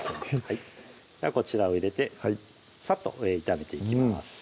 こちらを入れてサッと炒めていきます